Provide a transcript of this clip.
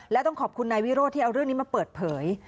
และต้องขอบคุณนายวิโรธที่เอาเรื่องนี้มาเปิดเผย